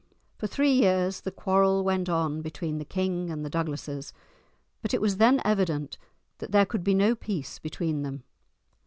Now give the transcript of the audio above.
For three years the quarrel went on between the king and the Douglases, but it was then evident that there could be no peace between them.